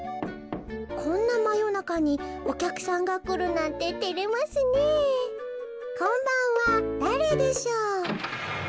「こんなまよなかにおきゃくさんがくるなんててれますねえこんばんはだれでしょう？」。